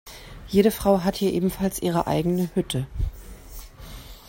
Jede Frau hat hier ebenfalls ihre eigene Hütte.